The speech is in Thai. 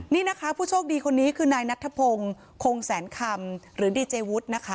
นี่นะคะผู้โชคดีคนนี้คือนายนัทธพงศ์คงแสนคำหรือดีเจวุฒินะคะ